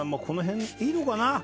この辺いいのかな。